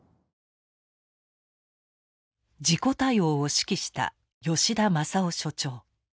事故対応を指揮した吉田昌郎所長。